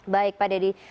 baik pak dedy